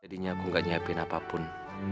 jadinya aku gak nyiapin apapun